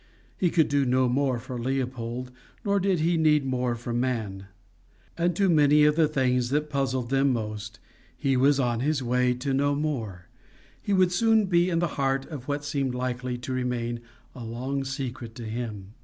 He could do no more for Leopold, nor did he need more from man. As to many of the things that puzzled them most, he was on his way to know more; he would soon be in the heart of what seemed likely to remain a long secret to him.